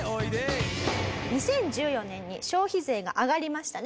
２０１４年に消費税が上がりましたね。